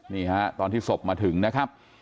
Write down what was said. นี่ฮะตอนที่ศพมาถึงนะครับ